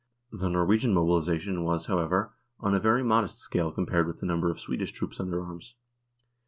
The Norwegian mobilisation was, however, on a very modest scale compared with the number of Swedish troops under arms.